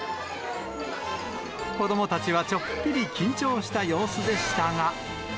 子どもたちはちょっぴり緊張した様子でしたが。